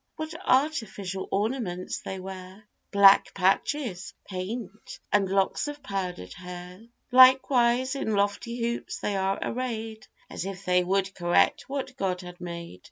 What artificial ornaments they wear, Black patches, paint, and locks of powdered hair; Likewise in lofty hoops they are arrayed, As if they would correct what God had made.